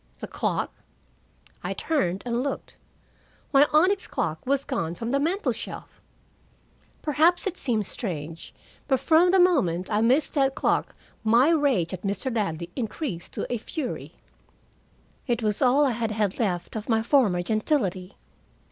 "The clock?" I turned and looked. My onyx clock was gone from the mantel shelf. Perhaps it seems strange, but from the moment I missed that clock my rage at Mr. Ladley increased to a fury. It was all I had had left of my former gentility.